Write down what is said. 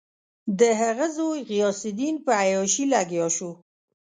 د هغه زوی غیاث الدین په عیاشي لګیا شو.